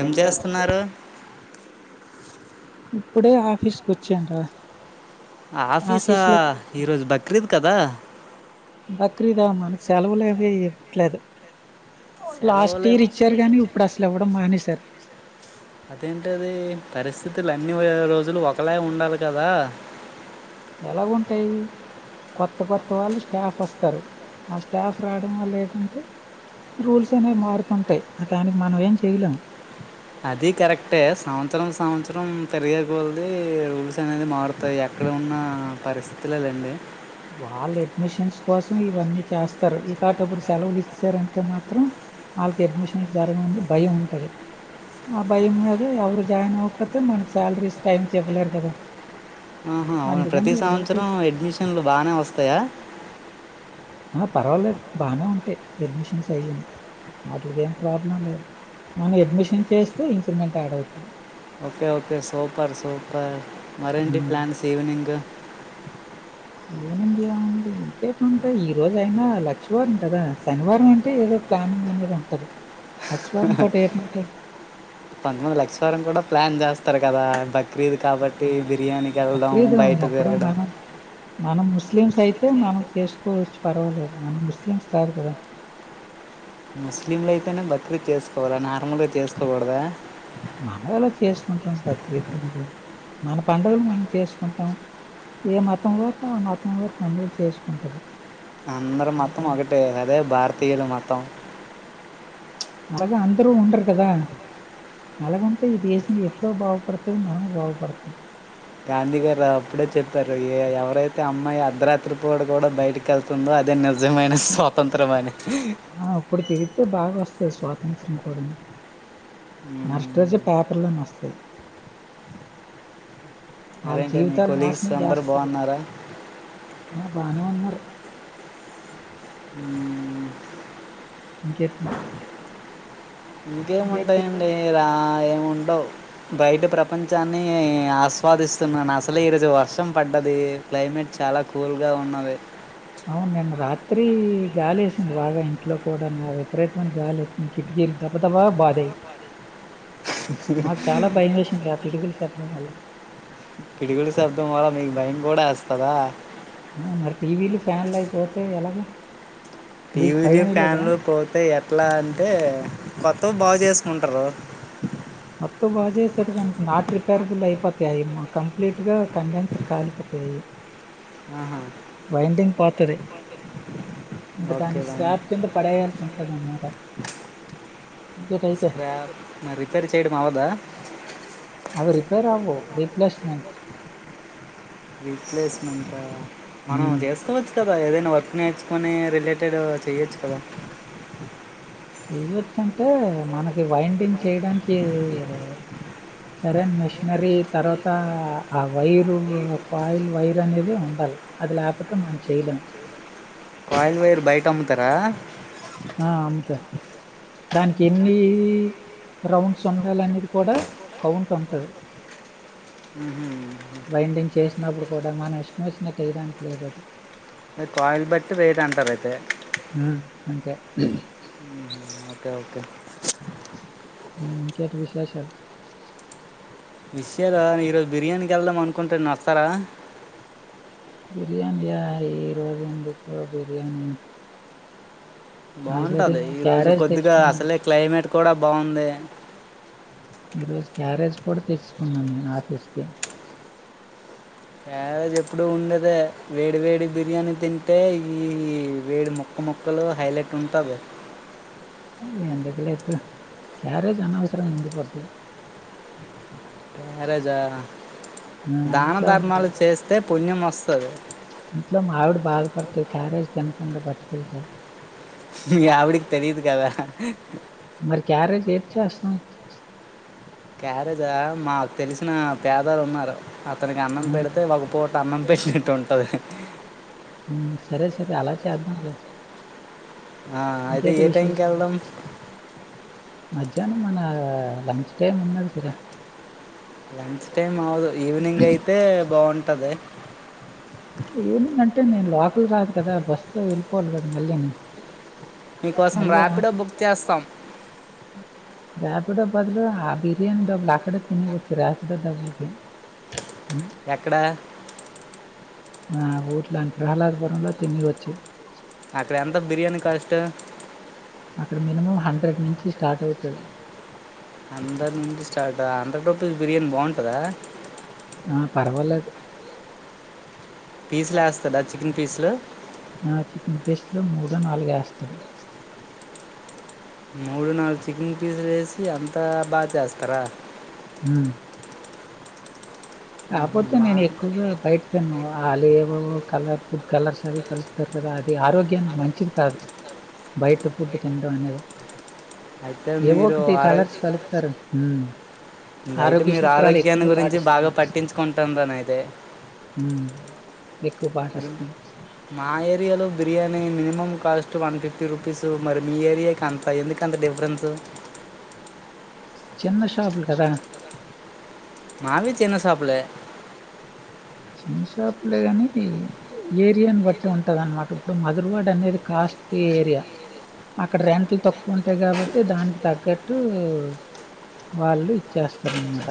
ఏం చేస్తున్నారు ఇప్పుడే ఆఫీస్ కి వచ్చాన్రా ఆఫీసా ఈరోజు బక్రీద్ కదా మనకి సెలవులు ఏవి ఇవ్వట్లేదు లాస్ట్ సెలవులే ఇయర్ ఇచ్చారు గాని ఇప్పుడు అసలు ఇవ్వడం మానేసారు అదేంటది పరిస్థితులు అన్ని రోజులు ఒకలనే ఉండాలి కదా. ఎలాగ ఉంటాయి కొత్త కొత్త వాళ్ళు స్టాఫ్ వస్తారు, ఆ స్టాఫ్ రావడం వల్ల ఏంటంటే రూల్స్ అనేవి మారుతుంటాయి దానికి మనం ఏం చయలేం. అది కరెక్టే సంవత్సరం సంవత్సరం పెరిగేకళది రూల్స్ అనేది మారుతాయి ఎక్కడ ఉన్న పరిస్థితుల లేండి వాల్ అడ్మిషన్స్ కోసం ఇవన్నీ చేస్తారు ఇలాటప్పుడు సెలవులు ఇచ్చారంటే మాత్రం వాళ్ళకి అడ్మిషన్స్ జరగమనే భయం ఉంటుంది. ఆ భయం మీద ఎవరు జాయిన్ అవ్వకపోతే మనకి శాలరీస్ టైంకి ఇవ్వలేరు కదా. ఆహా అవును అందుకని ప్రతి ఇలాంటి సంవత్సరం అడ్మిషన్లు బానే వస్తాయా హా పర్వాలేదు బాగానే ఉంటాయి అడ్మిషన్స్ అయ్యాయి, వాటికి ఏం ప్రాబ్లం లేదు, మనం అడ్మిషన్ చేస్తే ఇంక్రిమెంట్ అడ్ అవుతుంది. ఓకే ఓకే సూపర్ సూప్ బ మరేంటి ఉమ్. ప్లాన్స్ ఈవినింగ్ ఈవనింగ్ ఏముంది ఇంకేట్ ఉంటే ఈ రోజ అయినా లక్ష్మవారం కదా, శనివారం అంటే ఏదో ప్లానింగ్ అనేది ఉంటది. లక్ష్మీవారం పూట ఏముంటాయి పంతొమ్మిది లక్ష వరకు కూడా ప్లాన్ చేస్త్ చెస్తారు కదా బక్రీద్ కాబట్టి బిర్యానీకి వెళ్ళడం బక్రీద్ బయట ఇప్పుడు తిరగడం మనం మనం ముస్లిమ్స్ అయితే మనం చేసుకోవచ్చు పర్వాలేదు మనం ముస్లిమ్స్ కాదు కదా. ముస్లింలు అయితేనే బక్రీద్ చేసుకోవాలని తములు చేసుకోకూడదా? మనగలో చేసుకుంటాం ప్రక్రీతి అనేది మన పండుగలు మనం చేసుకుంటాం ఏ మతం వరకు ఆ మతం వర పండుగలు చేసుకుంటారు అందరు మొత్తం అంతే ఒకటే అదే భారతీయులు అనమాట కుత్తం అలాగ అందరూ ఉండరు కదా అలాగంటే ఈ దేశం ఎప్పుడో బాగుపడుతుంది మనం బాగుపడతాం త్తారో ఏ ఎవరై అయితే అమ్మాయి అర్ధరాత్రిపూట కూడా బయటికి వెళ్తుందో అదే నిజమైన స్వాతంత్రం అయినట్టు. అయితే బాగా వస్తుంది స్వాతంత్రం కూడాను మ్మ్. మాస్టర్జీ పాత్రలోనే వస్తాయి. వాళ్ళ అరేంటి మీ జీవితాలు కొలీగ్స్ నాశనం అందరుూ చేస్తారు బాగున్నారా? ఆ బానే ఉన్నార్ మ్మ్. ఇంకేంటి మరి ఇంకేముంటాయండి రా ఏముండవు బయట ప్రపంచాన్ని ఆస్వాదిస్తున్నాను అసలు ఈరోజు వర్షం పడ్డది క్లైమేట్ చాలా కూల్గా ఉన్నది అవును నిన్న రాత్రి గాలి వేసింది బాగా ఇంట్లో కూడా నా విపరీతమైన గాలి వచ్చింది కిటికీలు తప్పతప్ప బాధే మాకు చాలా భయం వేసింది ఆ పిడుగులు చెప్పడం వల్ల పిడుగుల శబ్దం వల మీకు భయం కూడా వేస్తాదా మరీ టీవీలు ఫ్యాన్లు అయిపోతేఎలాగ టీవీలు ఫ్యాన్లు పోతే ఎట్లా అంటే కొత్తవి బాగు చేసుకుంటారు మొత్త బాగా చేసేట్టు కాంటే నాట్ రిపేరబుల్ అయిపోతాయి మా కంప్లీట్గా కండెన్సర్ కాలిపోతాయి ఆహా వైండింగ్ పోతది ఇంకా ఓకే దాన్ని స్క్రాప్ కింద పడేయాల్సి ఉంటది అన్నమాట ఇంకేటియితే స్క్రాప్ రిపేర్ చేయడం అవ్వదా అవి రిపేర్ అవవు రిప్లేస్మెంట్ రీప్లేస్మెంట్ ఆ మనం చేసుకోవచ్చు కదా ఏదైనా వర్క్ నేర్చు కొన్ని రిలేటెడ్ చెయ్యొచ్చు కదా చేయవచ్చంటే మనకి వైండింగ్ చేయడానికి సరైన మెషినరీ తర్వాత ఆ వైరు కాయిల్ వైర్ అనేది ఉండాలి అది లేకపోతే మనం చేయలేము కాయిల్ వైర్ బయట అమ్ముతారా ఆ అంతే దానికి ఎన్ని రౌండ్స్ ఉండాలనేది కూడా కౌంట్ ఉంటది వైండింగ్ చేసినప్పుడు కూడా మన ఇష్టం వచ్చినట్టు ఎయ్యడానికి లేదు అది కాయిలు బట్టి వేయడి అంటార అయితే ఉమ్, అంతే ఓకే ఓకే ఇంకేటి విశేషాలు విషయాల నే ఈరోజు బిర్యానీకి వెళ్దాం అనుకుంటున్న వస్తారా బిర్యానియా ఈ రోజు ఎందుకో బిర్యానీ ఆల్రెడీ బాంటది నేను ఈ రోజు క్యారేజ్ కొద్దిగా తెచ్చుకున్నాను అసలే క్లైమేట్ కూడా బాగుంది ఈరోజు క్యారేజ్ కూడా తెచ్చుకున్నాను నేను ఆఫీస్ కి క్యారేజ్ ఎప్పుడుూ ఉండేదే వేడి వేడి బిర్యానీ తింటే ఈ వేడి మొక్క మొక్కలు హైలైట్ ఉంటది అ అందుకులేక్క క్యారేజ్ అనవసరం ఉందిపోతాది క్యారేజ్ ఆ ఆ, దాన ఇంట్లో మరి ధర్మాలు చేస్తే పుణ్యం వ సరే ఇంట్లో మావిడ బాధపడితది క్యారేజ్ తినకుండా పట్టుకెళ్తే మీయావిడకి తెలీదు కదా మరి క్యారేజ్ ఏంటి చేస్తాం క్యారేజా మాకు తెలిసిన పేదోలున్నారు అతనికి అన్నం ఆ, పెడితే ఒకపూట అన్నం పెట్టినట్టు ఉంటది మ్ సరే సరే అలా చేద్దాం లే ఆ అది ఏ టైం కెళ్దాం మధ్యాహ్నం మన లంచ్ టైమ్ ఉన్నది కదా లంచ్ కే మావూలు ఈవినింగ్ అయితే బావుం కదే ఈవనింగ్ అంటే నేను లోకల్ కాదు కదా బస్సులో ఎళ్ళిపోవాలి కదా మళ్ళీ నీ మీకోసం రాపిడో బుక్ చేస్తాం రాపిడో బదులు ఆ బిర్యానీ డబ్బులు అక్కడే తినేవచ్చు రాపిడో డబ్బులుకి ఎక్కడ ఆ ఊర్లీని ప్రహ్లాదపురంలొ తినేవచ్చు అక్కడ ఎంత బిర్యానీ కాస్టు అక్కడ మినిమం హండ్రెడ్ నుంచి స్టార్ట్ అవుతాది హండ్రెడ్ నుంచి స్టార్ట్ ఆ హండ్రెడ్ రూపీస్ బిర్యానీ బావుంటదా ఆ పర్వాలేదు పీస్ లేస్తడా చికెన్ పీస్లు ఆ చికెన్ పీస్లు మూడో, నాలుగో వేస్తాడు మూడు, నాలుగు చికెన్ పీసులేసి అంతా బాగా చేస్తారా మ్ మ్మ్, కాపోతే నేను బా- ఎక్కువగా బయట తినను వాళ్ళు ఏవోవో కలర్ ఫుడ్ కలర్స్ అవి కలుపుతారు కదా అది ఆరోగ్యానికి మంచిది కాదు బయట ఫుడ్ తినడం అనేది అయితే ఏవో మీరు ఒకటి కలర్స్ కలుపుతారు మ్ నైట్ మీరు ఆరోగ్యాన్ని గురించి పాటిస్తాను. బాగా పట్టించు కుంటుందానైతే మ్ అది మా ఏరియాలో బిర్యానీ ని minimum cost one fifty rupees మరి మీ ఏరియాకి అంత ఎందుకంత డిఫరెన్సు చిన్న షాపులు కద మావీ చిన్న షాపులే చిన్న షాపులే కానీ ఏరియాని బట్టి ఉంటుందన్నమాట ఇప్పుడు మధురవాడ అనేది కాస్ట్లీ ఏరియా అక్కడ రెంట్లు తక్కువ ఉంటాయి కాబట్టి దానికి తగ్గట్టు వాళ్ళు ఇచ్చేస్తారనమాట.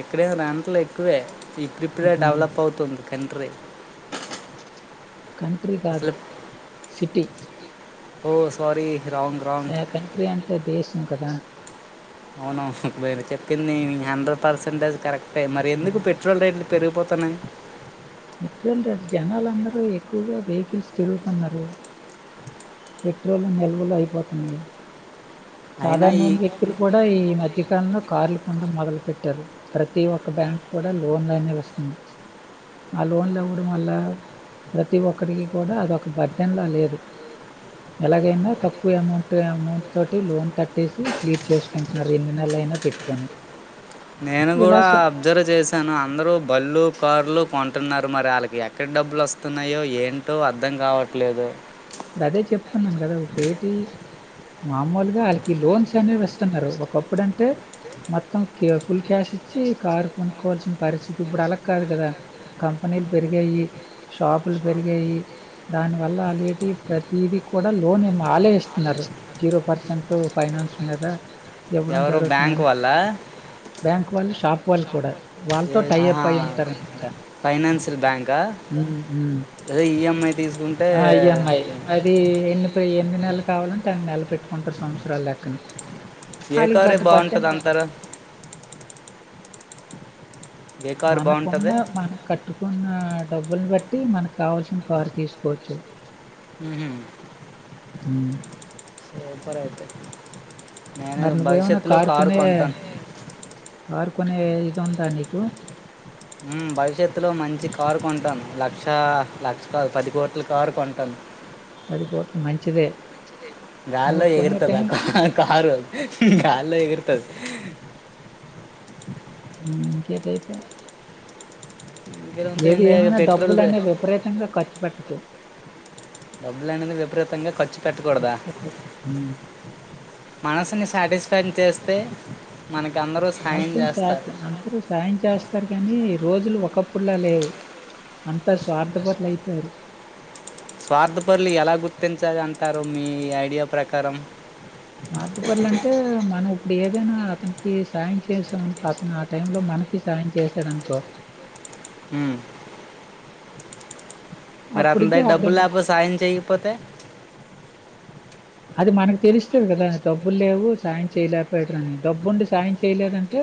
ఇక్కడైనా రెంట్లు ఎక్కువే ఇప్పుడిప్పుడే హ్మ్. డెవలప్ అవుతుంది [unintelligible] కంట్రీ కాదు city oh sorry wrong wrong ఉ కదా అవును వీరు చెప్పింది హండ్రెడ్ పర్సెంటేజ్ కరెక్ట్ పె మరి ఎందుకు హ్మ్. పెట్రోల్ రేట్లు పెరిగిపోతుంది త్తనాయ్ పెట్రోల్ రేట్లు జనాలుందరూ ఎక్కువగా వెహికల్స్ తిరుగుతున్నారు పెట్రోల్ నిల్వలు అయిపోతాన్నాయి అయినా ఈ సాధారణమైన వ్యక్తులు కూడా ఈ మధ్యకాలంలో కార్లు కొనడం మొదలుపెట్టారు ప్రతి ఒక్క బ్యాంకు కూడా లోన్లనే ఇస్తుంది ఆ లోన్లు ఇవ్వడం వల్ల ప్రతి ఒక్కడికి కూడా అదొక బడ్డెన్లా లేదు ఎలాగైనా తక్కువ అమౌంట్ అమౌంట్ త లోన్ కట్టేసి క్లీడ్ చేసుకుంటున్నారు ఎన్ని నెలల అయినా పెట్టుకొని నేను కూడా విలాస అబ్జర్వ్ చేశాను అందరు బళ్లు కార్లు కొంటున్నారు మరి వాళ్ళకి ఎక్కడ డబ్బులు వస్తున్నాయో ఏంటో అర్థం కావట్లేదు అదే చెప్తున్నాను కదా ఇప్పుడేటి మామూలుగా వాళ్ళకి లోన్స్ అనేవి ఇస్తున్నారు ఒకప్పుడంటే మొత్తం ఫుల్ క్యాష్ ఇచ్చి కారు కొనుక్కోవాల్సిన పరిస్థితి ఇప్పుడు అలా కాదు కదా కంపెనీలు పెరిగాయి షాపులు పెరిగాయి దానివల్ల వాళ్ళ ఏటి ప్రతిది కూడా లోన్ ఏమో ఆల ఇస్తున్నారు జీరో పర్సెంట్ ఫైనాన్స్ మీద ఇవ్వడం ఎవరు బ్యాంక్ జరుగుతుందండి వాళ్ళా? బ్యాంక్ వాళ్ళు షాప్ వాళ్ల్ కూడా వాళ్ళతో టై అప్ అయి ఉంటారనమాట. ఫైనాన్షియల్ బ్యాంకా హ్మ్. హ్మ్. అదే ఈ ఎం ఐ తీసుకుంటే ఆ! ఈఎంఐ. అది ఎ ఎన్ని నెలలు కావాలంటే అన్ని నెలలు పెట్టుకుంటారు సంవత్సరాలు లెక్కని ఏ ఆళ్ళకి కారే పెద్ద వావ్! పట్టేం బాంటది కాదు. అంటారు ఏ కారు మన పొన్న బాగుంటుంది మన కట్టు కొన్న డబ్బుని బట్టి మనకు కావాల్సిన కారు తీసుకోవచ్చు సూపర్ అయితే నేను అరణ పోయా ఉన్నా భవిష్యత్తులో కార్ కారు పోనే కొంటాను కారు కొనే ఇది ఉందా నీకు హ్మ్ భవిష్యత్తులో మంచి కారు కొంటాను లక్ష లక్ష కార్ పది కోట్ల కారు కొంటాను పది కోట్లు మంచిదే నువ్వు గాల్లో కొనే ఎగర్తది టైం అ కారు గాల్ల్లో ఎగర్తది ఇంకేటి అయితే ఏది ఎగురుతుంది ఏమైనా పెట్రోల్ రే- డబ్బులునే విపరీతంగా ఖర్చు పెట్ట పటుకు డబ్బులునేది విపరీతంగా ఖర్చు పెట్టకూడదా ఖర్చు పెట్టకు హ్మ్ మనసుని సాటిస్ఫై పని చేస్తే మనకి అందరూ సాయం చేస్తారు [unintelligible] అందరూ సాయం చేస్త వస్తారు కానీ రోజులు ఒకప్పుడులా లేవు అంత స్వార్థపరలు అయిపోయారు స్వార్థపరులు ఎలా గుర్తించాలి సారు మీ ఐడియా ప్రకారం స్ార్థపర్ల అంటే మనం ఇప్పుడు ఏదైనా అతనికి సాయం చేస్తాం అనుకో అతను ఆ టై లో మనకి సాయం చేసాడునుకో హూ మరి అప్పటికి అతనుదగ్గర ఆడు డబ్బులు లేకపో సాయం చేయకపోతే అది మనకు తెలుస్తుది కదా డబ్బులు లేవు సాయం చేయలేకపోయాడు అని డబ్బు ఉండి సాయం చేయలేదంటే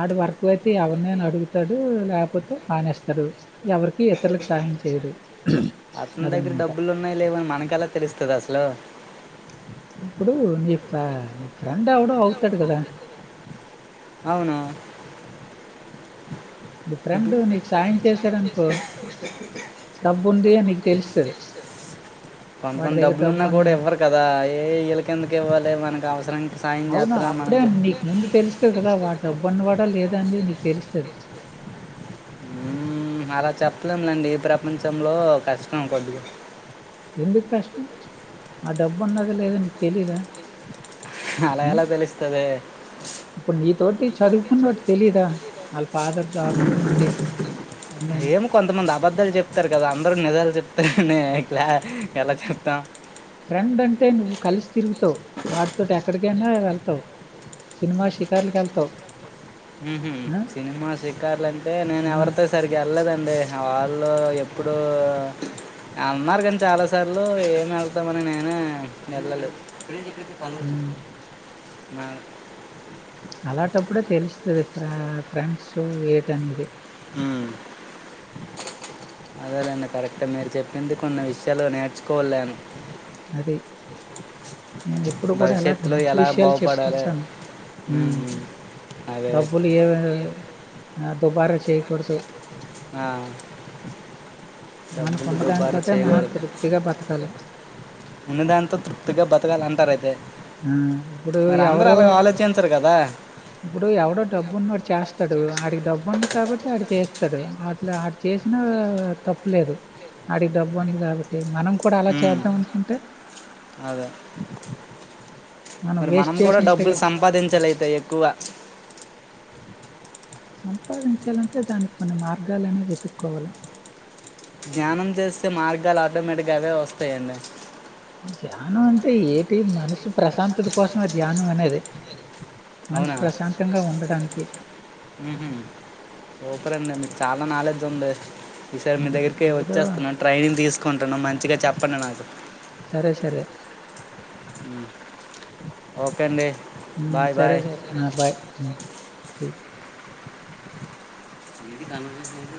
ఆడ వర్క్ అయితే ఎవరినైనా అడుగుతాడు లేకపోతే మానేస్తాడు ఎవరికి ఇతరులకు సాయం చేయడు అతని దగ్గర అదనమాట డబ్బులు ఉన్నాయి లేవని మనకెల తెలుస్తది అసలు ఇప్పుడు నీ ఫ నీ ఫ్రెండ్ ఎవడో అవుతాడు కదా అవును నీ ఫ్రెండ్ నీకు సాయం చేశాడనుకో డబ్బు ఉంది అని నీకు తెలుస్తది కొంత వాడి కొంది దగ్గర డబ్బులున్నా డబ్బు కూడా ఉన్నదని ఎవ్వరు కదా ఏ వీళ్ళ కిందుకు ఇవ్వాలి మనకి అవసరం అవునా అప్పుడే నీకు ముందు తెలుస్తుంది కదా వా డబ్బన్న వాడా లేదా అనేది నీకు తెలుస్తుంది మ్మ్, అలా చెప్పలేము లేండి ఈ ప్రపంచంలో కష్టం కొద్దిగా ఎందుకు కష్టం ఆ డబ్బు ఉన్నద లేదా నీకు తెలిదా అలా ఎలా తెలుస్తది టే చదువుకున్నట్టు తెలీదా ఫాదర్ జాబ్ గురించి అన్ని ఏం కొంతమంది అబద్ధాలు చెప్తారు కద అందరూ నిజాలు చె కలా ఎలా చె త ఫ్రెండ్ అంటే నువ్ కలిసు తిరుగుతావు వాటితో ఎక్కడికైనా వెళ్తావు సినిమా షికార్లకి వెళ్తావు ఆ సినిమా సీకార్లు అంటే నేను ఆ ఎవరితో సరికి వెళ్ళలేదం అంటే వాళ్ళు ఎప్పుడుూ అన్నారు కానీ చాలాసార్లు ఏమి వెళ్తామని నేనే వెళ్ళలేదు మ్ [unintelligible] మ అలాటప్పుడే తెలుస్తుంది ఫ ఫ్రెండ్స్ ఏటనేది ఆ అదేదండి కరెక్టా మీరు చెప్పింది కొన్ని విషయాలు నేర్చుకోకాలన అదీ నేను ఎప్పుడు కూడా ఎలాంటి భవిష్యత్తులో మంచి ఎలా విషయాలు బాగుపడాలి చెప్తుంటాను ఉమ్, అదే డబ్బులు ఏ దుబారా చేయకూడదు ఆ డబ్బులు మనకున్న డబ్బారా దానితోటే మనం చేయకూడదు తృప్తిగా బతకాలి ఉన్న దాంతో తృప్తిగా బతకాల అంటార అయితే హ్మ్ ఇప్పుడు మరి అందరూ ఎవరో అలాగ ఆలోచించరు కదా ఇప్పుడు ఎవడు డబ్బు ఉన్నడు చేస్త స్తాడు ఆడికి డబ్బు ఉంది కాబట్టి ఆడు చేస్తాడు ఆడు చేసినా తప్పులేదు ఆడికి డబ్బు ఉంది కాబట్టి మనం కూడా అలా ఉమ్, చేద్దాం అనుకుంటే అదే మరి వేస్ట్ మనం కూడా డబ్బులు చేసినట్టుగా సంపాదించాలైతేా ఎక్కువ [unintelligible] సంపాదించాలంటే దానికి కొన్ని మార్గాలనే వెతుక్కోవాలి ధ్యానం చేస్తే మార్గాలు ఆటోమేటిక్ గా అవే వస్తాయండి ధ్యానం అంటే ఏటి మనిషి ప్రశాంతత కోసమే ధ్యానం అనేది అవునా మనసు ప్రశాంతంగా ఉండడానికి ఉహుం ఓ చెరండి మీకు చాలా నాలెడ్జ్ ఉంది ఈసారి మీ దగ్గరికి ఏదో వచ్చేస్తున్నాను ట్రైనింగ్ తీసుకుంట మంచిగా చెప్పండి నాకు సరే సరే మ్. ఓకే అండి హ్మ్ బాయ్ సరే బాయ్ సరే ఆ బై సి ఇది కనిపిస్తూ